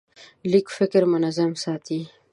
لیکل فکر منظم ساتي.